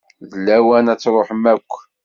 D lawan ad d-truḥem akk.